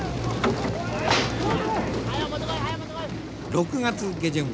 ６月下旬